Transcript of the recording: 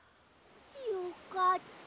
よかった。